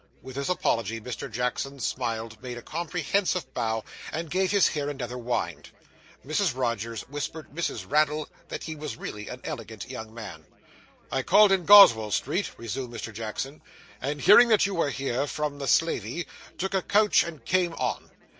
With this apology Mr. Jackson smiled, made a comprehensive bow, and gave his hair another wind. Mrs. Rogers whispered Mrs. Raddle that he was really an elegant young man. 'I called in Goswell Street,' resumed Mr. Jackson, 'and hearing that you were here, from the slavey, took a coach and came on.